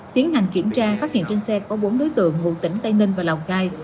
tiến hành kiểm tra phát hiện trên xe có bốn đối tượng hữu tỉnh tây ninh và lào khai